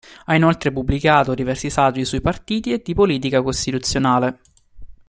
Ha inoltre pubblicato diversi saggi sui partiti e di politica costituzionale.